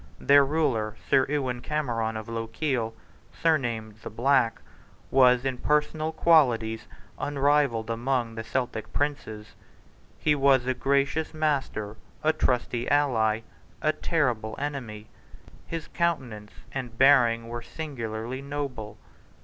Their ruler, Sir Ewan Cameron, of Lochiel, surnamed the Black, was in personal qualities unrivalled among the Celtic princes. He was a gracious master, a trusty ally, a terrible enemy. His countenance and bearing were singularly noble.